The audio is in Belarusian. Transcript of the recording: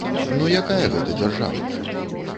Ну якая гэта дзяржава?